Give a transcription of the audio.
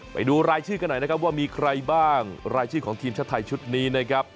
ไปดูรายชื่อกันหน่อยนะครับว่ามีใครบ้างรายชื่อของทีมชาติไทยชุดนี้นะครับ